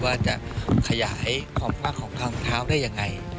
ว่าจะขยายความกว้างของทางเท้าได้ยังไง